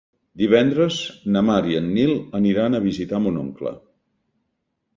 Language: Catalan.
Divendres na Mar i en Nil aniran a visitar mon oncle.